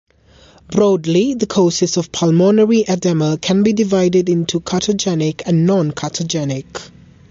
Broadly, the causes of pulmonary edema can be divided into cardiogenic and non-cardiogenic.